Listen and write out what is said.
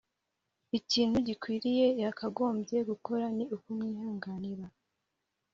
ikintu gikwiriye yakagombye gukora ni ukumwihanganira